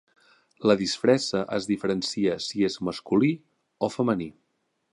La disfressa es diferencia si és masculí o femení.